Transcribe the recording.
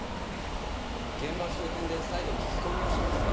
現場周辺で再度聞き込みをしますか。